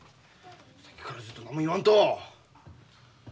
さっきからずっと何も言わんと。